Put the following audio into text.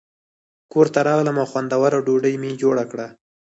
کور ته راغلم او خوندوره ډوډۍ مې جوړه کړه.